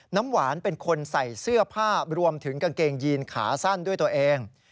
น้ำหวานเป็นคนใส่เสื้อผ้ารวมถึงกางเกงยีนขาสั้นด้วยตัวเอง